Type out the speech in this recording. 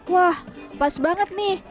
wah pas banget nih